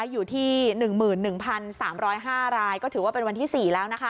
อยู่ที่๑๑๓๐๕รายก็ถือว่าเป็นวันที่๔แล้ว